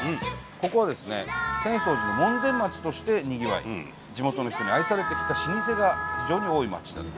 ここはですね浅草寺の門前町としてにぎわい地元の人に愛されてきた老舗が非常に多い町だと。